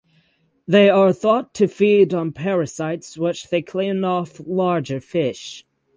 They are thought to feed on parasites which they clean off larger fish.